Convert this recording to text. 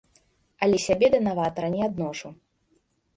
Але сябе да наватара не адношу.